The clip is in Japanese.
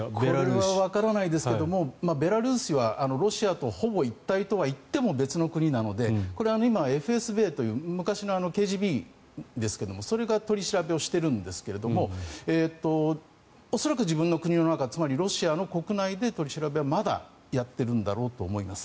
これはわからないですがベラルーシはロシアとほぼ一体とはいっても別の国なので今、ＦＳＢという昔のＫＧＢですが、それが取り調べをしているんですが恐らく自分の国の中つまりロシアの国内で取り調べはまだやっているんだろうとは思います。